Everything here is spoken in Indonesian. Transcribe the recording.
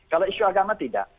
kalau isu agama tidak